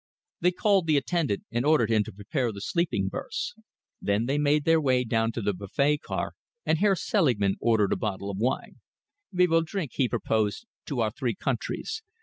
They called the attendant and ordered him to prepare the sleeping berths. Then they made their way down to the buffet car, and Herr Selingman ordered a bottle of wine. "We will drink," he proposed, "to our three countries.